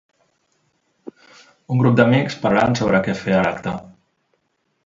Un grup d'amics parlant sobre què fer a l'acte.